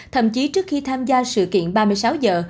thậm chí trước khi tham gia sự kiện ba mươi sáu giờ